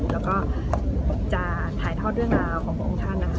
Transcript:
แล้วก็จะถ่ายทอดเรื่องราวของพระองค์ท่านนะคะ